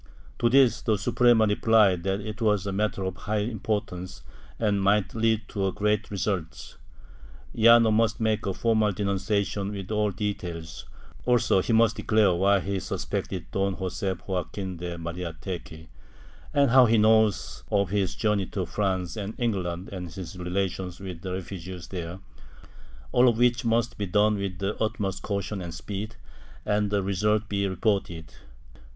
To this the Suprema repHed that this was a matter of high importance and might lead to great results. Llano must make a formal denunciation with all details; also he must declare why he suspected Don Joseph Joaquin de Mariategui, and how he knows of his journey to France and Eng land and his relations with the refugees there — all of which must be done with the utmost caution and speed and the results be reported.